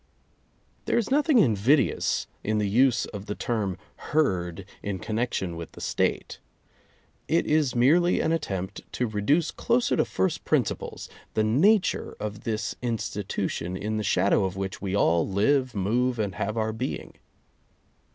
There is nothing invidious in the use of the term, "herd," in connection with the State. It is merely an attempt to reduce closer to first prin ciples the nature of this institution in the shadow of which we all live, move and have our being.